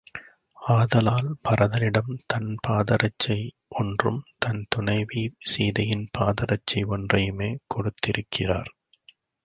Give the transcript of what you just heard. ஆதலால் பரதனிடம் தன் பாதரட்சை ஒன்றும் தன் துணைவி சீதையின் பாதரட்சை ஒன்றையுமே கொடுத்திருக்கிறார்.